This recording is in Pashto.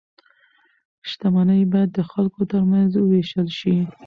شتمني باید د خلکو ترمنځ وویشل شي.